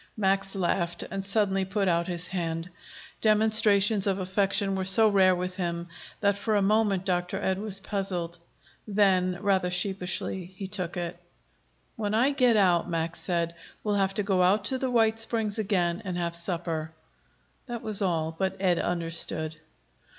Max laughed, and suddenly put out his hand. Demonstrations of affection were so rare with him that for a moment Dr. Ed was puzzled. Then, rather sheepishly, he took it. "When I get out," Max said, "we'll have to go out to the White Springs again and have supper." That was all; but Ed understood.